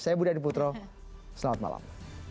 saya budha diputro selamat malam